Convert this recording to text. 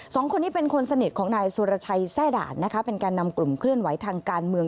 สองคนนี้เป็นคนสนิทของนายสุรชัยแทร่ด่านนะคะเป็นแก่นำกลุ่มเคลื่อนไหวทางการเมือง